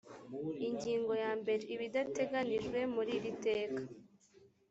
ingingo ya mbere ibidateganyijwe muri iri teka